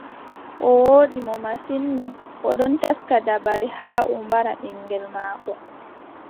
O wooɗi mo masin, non, o ɗon taska dabare haa o mbara ɓiŋngel maako.